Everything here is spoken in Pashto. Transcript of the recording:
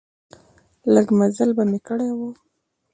لږ مزل به مې کړی و.